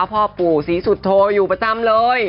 พ่อปู่ศรีสุโธอยู่ประจำเลย